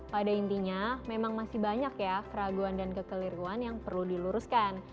pada intinya memang masih banyak ya keraguan dan kekeliruan yang perlu diluruskan